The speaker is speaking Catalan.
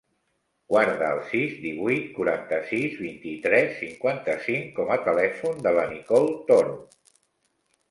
Guarda el sis, divuit, quaranta-sis, vint-i-tres, cinquanta-cinc com a telèfon de la Nicole Toro.